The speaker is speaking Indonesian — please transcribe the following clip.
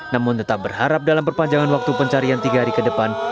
namun tetap berharap dalam perpanjangan waktu pencarian tiga hari ke depan